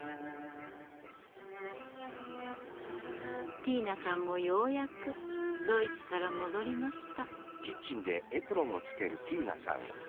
ティーナさんもようやくドイツから戻りました。